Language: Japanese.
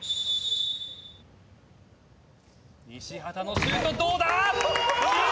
西畑のシュートどうだ！？